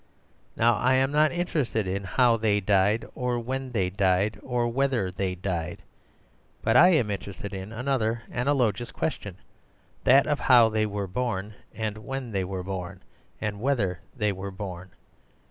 Now I am not interested in how they died, or when they died, or whether they died. But I am interested in another analogous question—that of how they were born, and when they were born, and whether they were born.